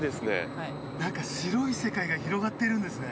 はい何か白い世界が広がってるんですね